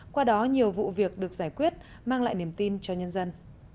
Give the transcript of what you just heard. qua đó nhiều vụ việc được giải quyết mang lại niềm tin cho nhân dân